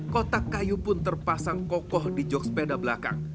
kotak kayu pun terpasang kokoh di jog sepeda belakang